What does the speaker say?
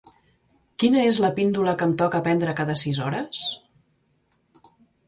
Quina és la píndola que em toca prendre cada sis hores?